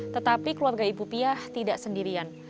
tetapi keluarga ibu piah tidak sendirian